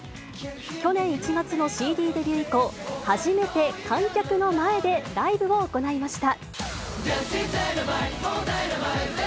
去年１月のＣＤデビュー以降、初めて観客の前でライブを行いました。